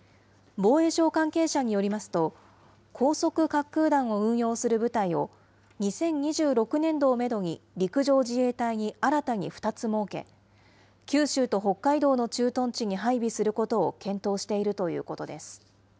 防衛省関係者によりますと、高速滑空弾を運用する部隊を、２０２６年度をメドに陸上自衛隊に新たに２つ設け、九州と北海道の駐屯地に配備することを検討しているということです。